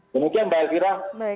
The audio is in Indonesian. kemudian mbak elvira